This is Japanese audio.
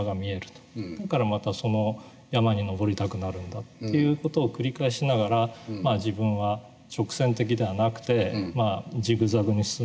だからまたその山に登りたくなるんだっていう事を繰り返しながら自分は直線的ではなくてジグザグに進んできた。